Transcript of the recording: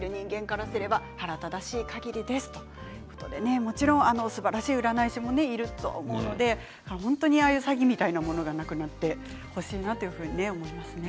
もちろんすばらしい占い師の方もいらっしゃると思いますので詐欺みたいなものがなくなってほしいなと思います。